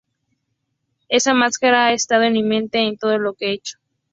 Esa máscara ha estado en mi mente en todo lo que he hecho.